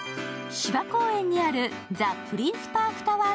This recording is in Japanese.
芝公園にあるザ・プリンスパークタワー